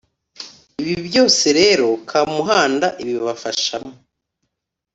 ibi byose rero, kamuhanda ibibafashamo